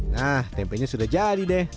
nah tempenya sudah jadi deh